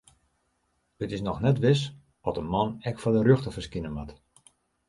It is noch net wis oft de man ek foar de rjochter ferskine moat.